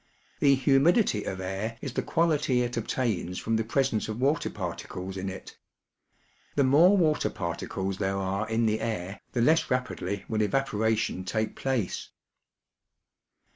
The humidity of air is the quality it obtains from the presence of water par ticles in it. The more water particles there are in the air, the less rapidly will evaporation take place.